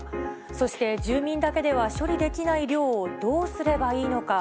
そして住民だけでは処理できない量をどうすればいいのか。